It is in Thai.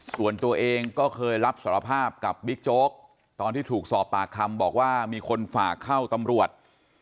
ส่วนตัวเองก็เคยรับสารภาพกับบิ๊กโจ๊กตอนที่ถูกสอบปากคำบอกว่ามีคนฝากเข้าตำรวจ